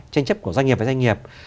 tranh chấp của doanh nghiệp với doanh nghiệp